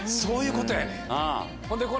そういうことやねん。